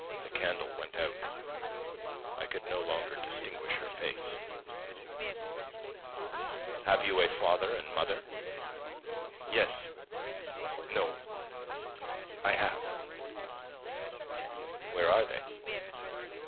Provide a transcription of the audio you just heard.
The candle went out; I could no longer distinguish her face. "Have you a father and mother?" "Yes ... no ... I have." "Where are they?"